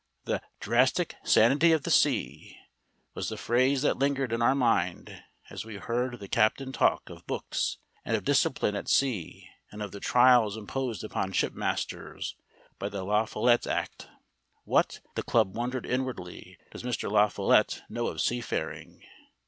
"The drastic sanity of the sea" was the phrase that lingered in our mind as we heard the captain talk of books and of discipline at sea and of the trials imposed upon shipmasters by the La Follette act. (What, the club wondered inwardly, does Mr. La Follette know of seafaring?)